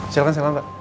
silahkan silahkan pak